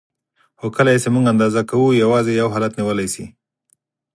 خو کله یې چې موږ اندازه کوو یوازې یو حالت نیولی شي.